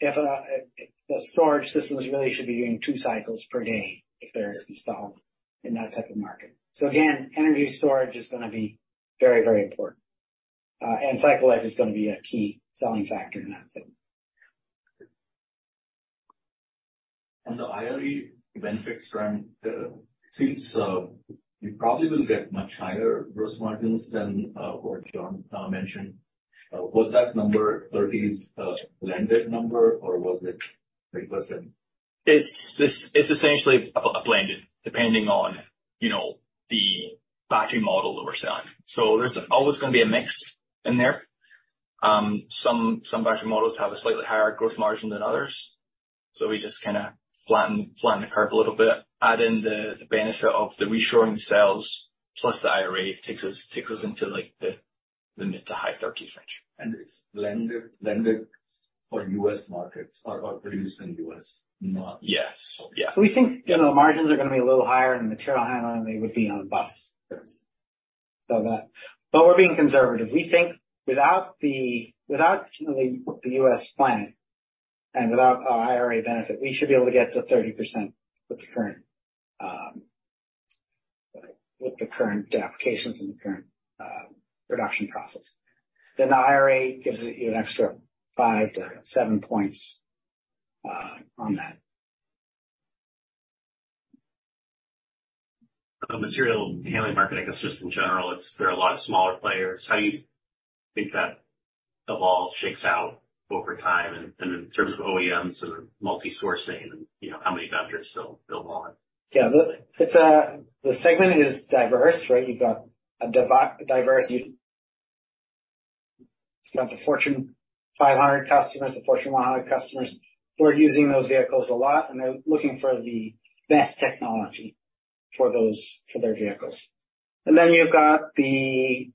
if the storage systems really should be doing two cycles per day if they're installed in that type of market. Again, energy storage is gonna be very important, and cycle life is gonna be a key selling factor in that segment. On the IRA benefits front, since we probably will get much higher gross margins than what John mentioned, was that number 30s%, blended number or was it requested? It's essentially a blended, depending on, you know, the battery model that we're selling. There's always gonna be a mix in there. Some battery models have a slightly higher growth margin than others. We just kinda flatten the curve a little bit, add in the benefit of the reshoring cells, plus the IRA takes us into, like, the mid to high thirties range. it's blended for U.S. markets or produced in U.S.? Yes. Yeah. We think, you know, margins are gonna be a little higher in material handling than they would be on bus. Yes. That... We're being conservative. We think without the U.S. plant and without our IRA benefit, we should be able to get to 30% with the current applications and the current production process. The IRA gives you an extra five to seven points on that. The material handling market, I guess just in general, it's there are a lot of smaller players. How do you think that evolve, shakes out over time? In terms of OEMs and multi-sourcing and, you know, how many vendors they'll want? Yeah. Look, it's, the segment is diverse, right? You've got a diversity. You've got the Fortune 500 customers, the Fortune 100 customers who are using those vehicles a lot, they're looking for the best technology for those, for their vehicles. Then you've got the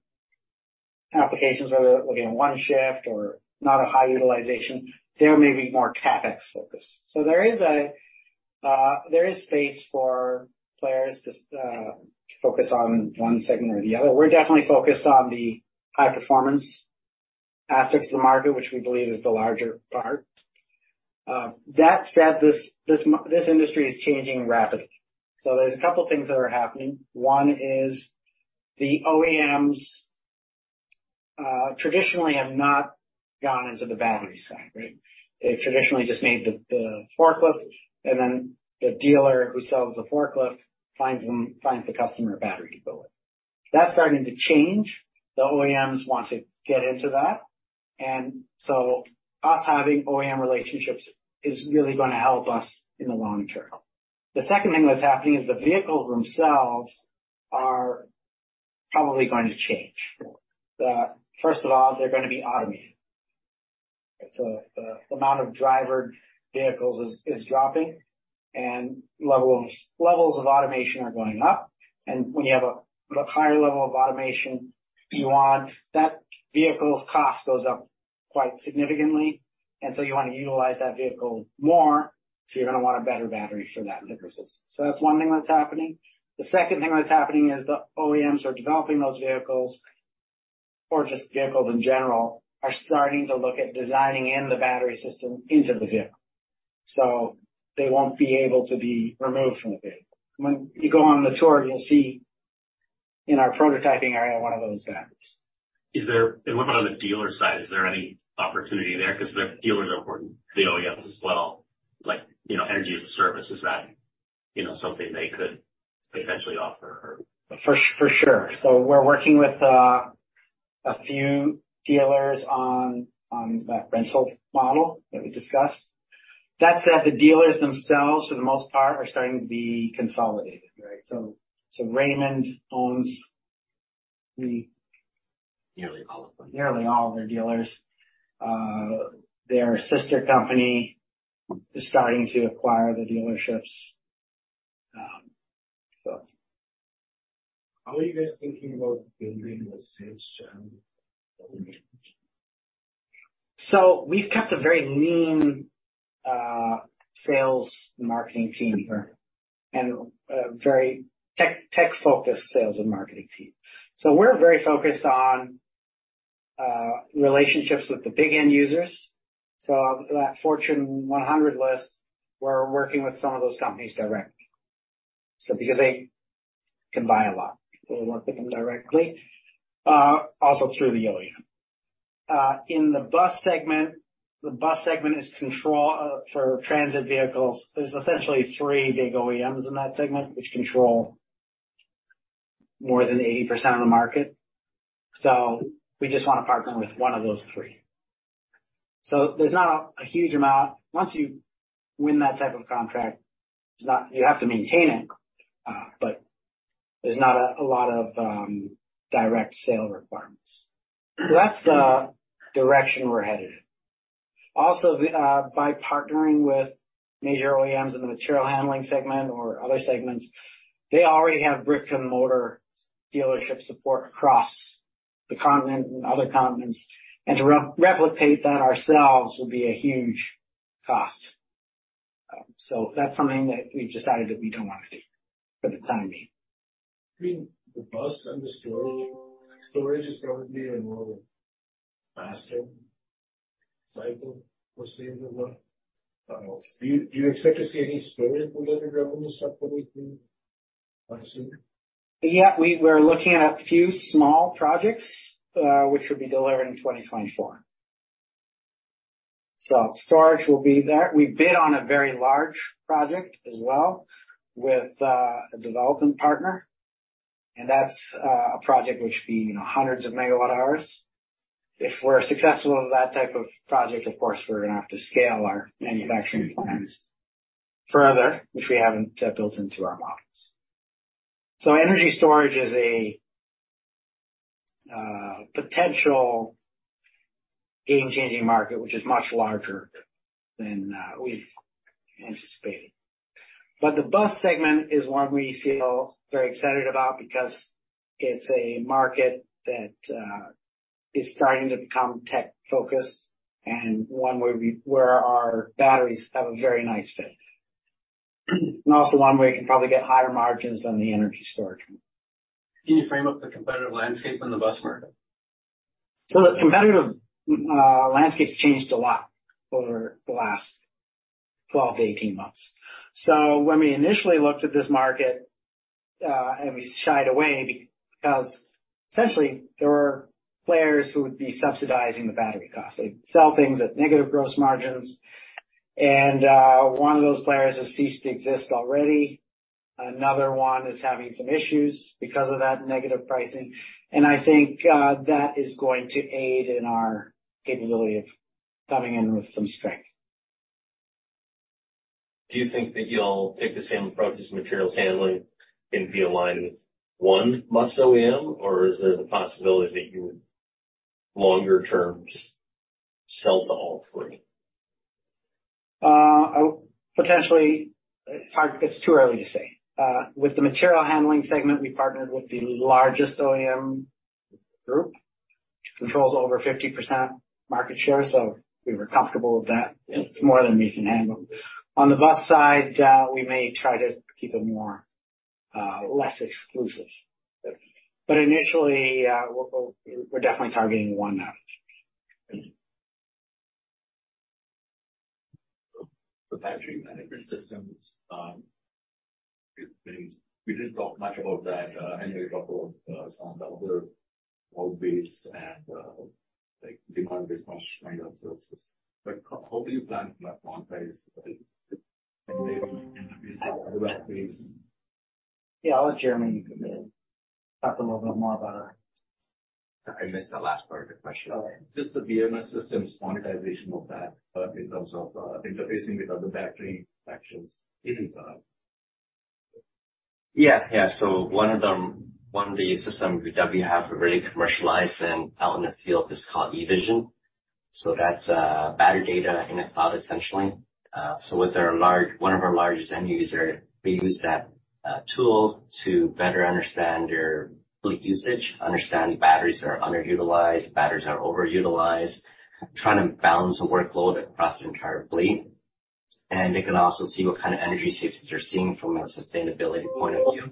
applications, whether they're looking at one shift or not a high utilization, they may be more CapEx focused. There is a, there is space for players to focus on 1 segment or the other. We're definitely focused on the high performance aspects of the market, which we believe is the larger part. That said, this industry is changing rapidly. There's a couple things that are happening. One is the OEMs, traditionally have not gone into the battery side, right? They traditionally just made the forklift, and then the dealer who sells the forklift finds the customer a battery to go with. That's starting to change. The OEMs want to get into that. Us having OEM relationships is really gonna help us in the long term. The second thing that's happening is the vehicles themselves are probably going to change. First of all, they're gonna be automated. The amount of driver vehicles is dropping and levels of automation are going up. When you have a higher level of automation, that vehicle's cost goes up quite significantly, you wanna utilize that vehicle more. You're gonna want a better battery for that purposes. That's one thing that's happening. The second thing that's happening is the OEMs who are developing those vehicles or just vehicles in general, are starting to look at designing in the battery system into the vehicle. They won't be able to be removed from the vehicle. When you go on the tour, you'll see in our prototyping area one of those batteries. And what about on the dealer side? Is there any opportunity there? The dealers are important to the OEMs as well, like, you know, energy as a service. Is that, you know, something they could potentially offer or? For sure. We're working with a few dealers on that rental model that we discussed. That said, the dealers themselves, for the most part, are starting to be consolidated, right? Raymond owns the. Nearly all of them. Nearly all of their dealers. Their sister company is starting to acquire the dealerships. How are you guys thinking about building the sales channel? We've kept a very lean sales marketing team. A very tech-focused sales and marketing team. We're very focused on relationships with the big end users. That Fortune 100 list, we're working with some of those companies directly. Because they can buy a lot, we work with them directly, also through the OEM. In the bus segment, the bus segment is control for transit vehicles. There's essentially three big OEMs in that segment which control more than 80% of the market. We just wanna partner with one of those three. There's not a huge amount. Once you win that type of contract, it's not. You have to maintain it, but there's not a lot of direct sale requirements. That's the direction we're headed in. By partnering with major OEMs in the material handling segment or other segments, they already have brick-and-mortar dealership support across the continent and other continents, and to replicate that ourselves would be a huge cost. That's something that we've decided that we don't wanna do for the time being. Between the bus and the storage. Storage is going to be a more faster cycle, we're seeing with that. Do you expect to see any storage related revenue separately through soon? Yeah. We're looking at a few small projects, which will be delivered in 2024. Storage will be there. We bid on a very large project as well with, a development partner, and that's, a project which would be, you know, hundreds of MWh. If we're successful in that type of project, of course, we're gonna have to scale our manufacturing plans further, which we haven't built into our models. Energy storage is a potential game-changing market, which is much larger than we've anticipated. The bus segment is one we feel very excited about because it's a market that is starting to become tech-focused and one where our batteries have a very nice fit. Also one where you can probably get higher margins than the energy storage. Can you frame up the competitive landscape in the bus market? The competitive landscape's changed a lot over the last 12 to 18 months. When we initially looked at this market, and we shied away because essentially there were players who would be subsidizing the battery cost. They'd sell things at negative gross margins, and one of those players has ceased to exist already. Another one is having some issues because of that negative pricing. I think that is going to aid in our capability of coming in with some strength. Do you think that you'll take the same approach as materials handling and be aligned with one bus OEM, or is there the possibility that you would longer term just sell to all three? Potentially. It's hard. It's too early to say. With the material handling segment, we partnered with the largest OEM group, which controls over 50% market share, so we were comfortable with that. It's more than we can handle. On the bus side, we may try to keep it more, less exclusive. Initially, we're definitely targeting one now. The battery management systems, we didn't talk much about that. Henry talked about some of the other cloud-based and, like, demand response kind of services. How do you plan to monetize maybe interface cloud-based? Yeah. I'll let Jeremy talk a little bit more about our-. I missed the last part of the question. Just the BMS systems, monetization of that, in terms of, interfacing with other battery factions even... Yeah. Yeah. One of the systems that we have already commercialized and out in the field is called EVISION. That's battery data in a cloud, essentially. With one of our largest end user, we use that tools to better understand your fleet usage, understand batteries that are underutilized, batteries that are overutilized, trying to balance the workload across the entire fleet. They can also see what kind of energy savings they're seeing from a sustainability point of view.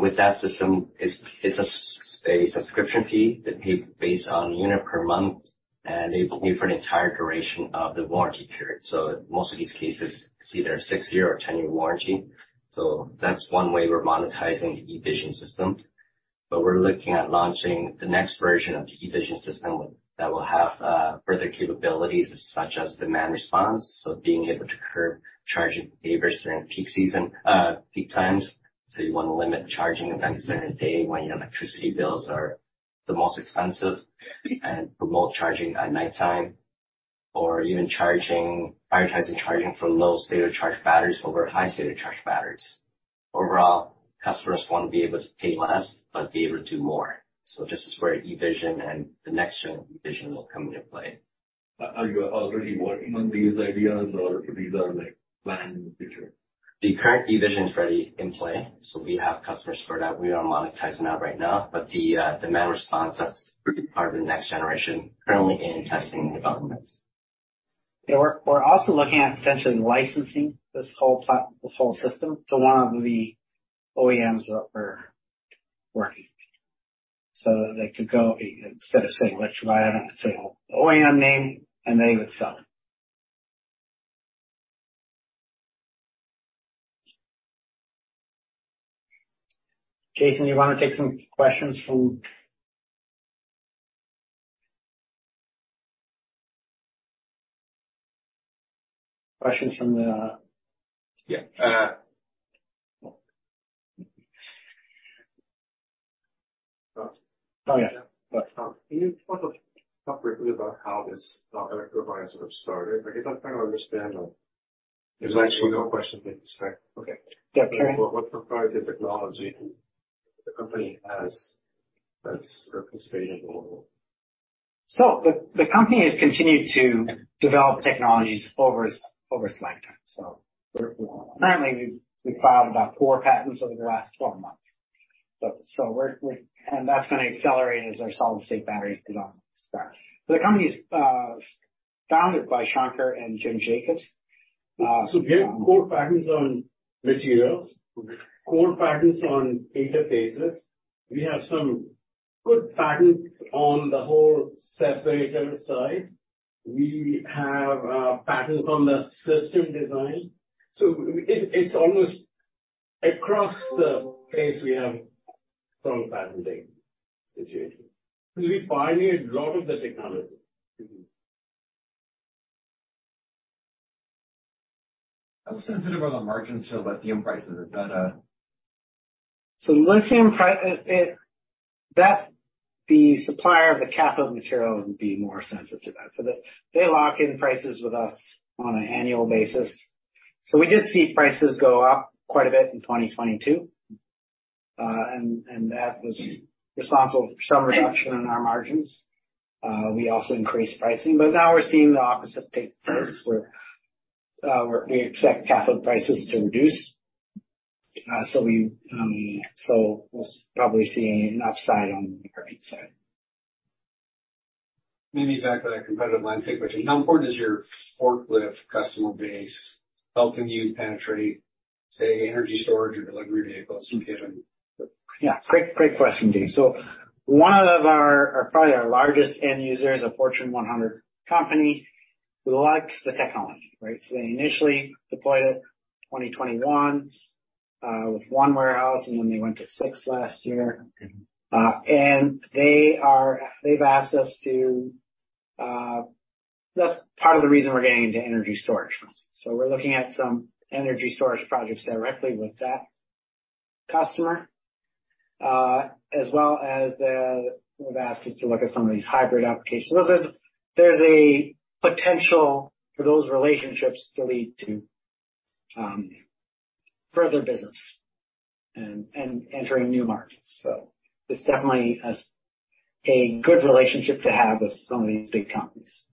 With that system, it's a subscription fee they pay based on unit per month, and they pay for the entire duration of the warranty period. Most of these cases, it's either a six-year or 10-year warranty. That's one way we're monetizing the EVISION system. We're looking at launching the next version of the EVISION system that will have further capabilities such as demand response, so being able to curb charging behaviors during peak season, peak times. You wanna limit charging events during the day when your electricity bills are the most expensive and promote charging at nighttime or even prioritizing charging for low state of charge batteries over high state of charge batteries. Overall, customers wanna be able to pay less but be able to do more. This is where EVISION and the next gen EVISION will come into play. Are you already working on these ideas or these are, like, planned in the future? The current EVISION is already in play. We have customers for that. We are monetizing that right now. The demand response, that's part of the next generation, currently in testing and development. Yeah, we're also looking at potentially licensing this whole system to one of the OEMs that we're working with. They could go instead of saying Electrovaya, it would say OEM name, and they would sell it. Jason, you wanna take some questions from the. Yeah. Oh, yeah. Can you talk briefly about how this Electrovaya sort of started? I guess I'm trying to understand. There's actually no question being said. Okay. Yeah. What proprietary technology the company has that's sort of sustainable? The company has continued to develop technologies over its lifetime. Currently we've filed about four patents over the last 12 months. We're going to accelerate as our solid-state batteries develop. The company is founded by Sankar and James Jacobs. We have core patents on materials. Okay. Core patents on interfaces. We have some good patents on the whole separator side. We have patents on the system design. It's almost across the case we have strong patenting situation. We pioneered a lot of the technology. Mm-hmm. How sensitive are the margins to lithium prices? Is that? That the supplier of the cathode material would be more sensitive to that. They, they lock in prices with us on an annual basis. We did see prices go up quite a bit in 2022, and that was responsible for some reduction in our margins. We also increased pricing. Now we're seeing the opposite take place where we expect cathode prices to reduce. We, so we'll probably see an upside on the margin side. Maybe back to that competitive landscape question. How important is your forklift customer base helping you penetrate, say, energy storage or delivery vehicles? Yeah. Great, great question, James. One of our probably our largest end user is a Fortune 100 company who likes the technology, right? They initially deployed it 2021 with one warehouse, and then they went to six last year. They've asked us to. That's part of the reason we're getting into energy storage. We're looking at some energy storage projects directly with that customer, as well as they've asked us to look at some of these hybrid applications. There's a potential for those relationships to lead to further business and entering new markets. It's definitely a good relationship to have with some of these big companies.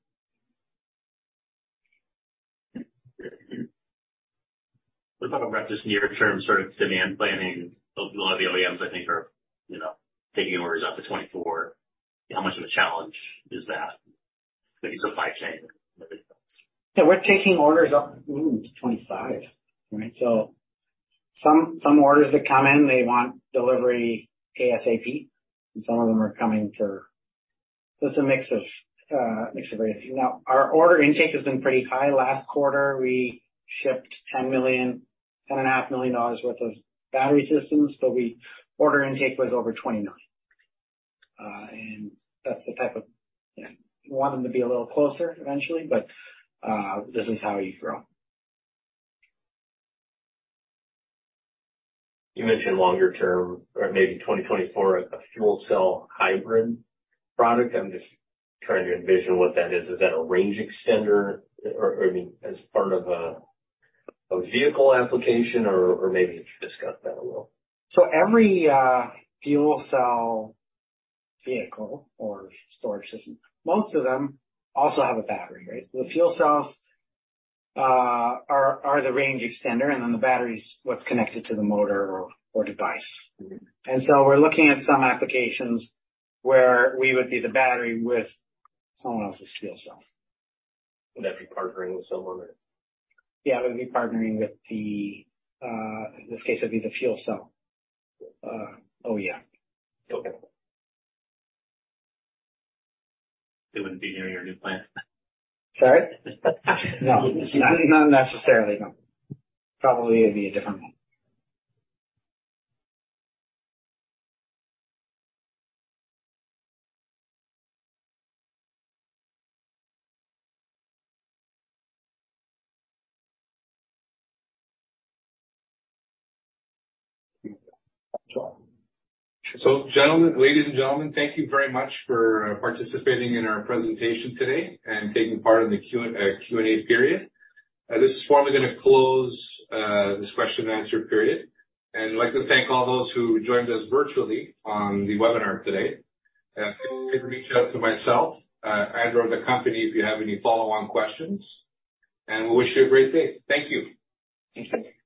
What about just near term sort of demand planning? A lot of the OEMs I think are, you know, taking orders out to 2024. How much of a challenge is that with the supply chain with the? Yeah, we're taking orders up to 25, right? Some, some orders that come in, they want delivery ASAP. Some of them are coming for... It's a mix of, mix of everything. Our order intake has been pretty high. Last quarter, we shipped $10 million, ten and a half million dollars worth of battery systems. Order intake was over $29 million. That's the type of, you know, you want them to be a little closer eventually, this is how you grow. You mentioned longer term or maybe 2024, a fuel cell hybrid product. I'm just trying to envision what that is. Is that a range extender or, I mean, as part of a vehicle application or maybe could you discuss that a little? Every fuel cell vehicle or storage system, most of them also have a battery, right? The fuel cells are the range extender, and then the battery is what's connected to the motor or device. Mm-hmm. We're looking at some applications where we would be the battery with someone else's fuel cell. Would that be partnering with someone or? Yeah, it would be partnering with the, in this case, it'd be the fuel cell. OEM. Okay. It wouldn't be near your new plant. Sorry? No. Not necessarily, no. Probably it'd be a different one. Gentlemen, ladies and gentlemen, thank you very much for participating in our presentation today and taking part in the Q&A period. This is formally gonna close this question and answer period. We'd like to thank all those who joined us virtually on the webinar today. Feel free to reach out to myself and or the company if you have any follow-on questions. We wish you a great day. Thank you. Thank you.